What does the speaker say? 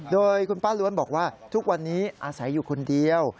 โดยคุณป้าล้วนบอกว่าทุกวันนี้อาศัยอยู่คนเดียว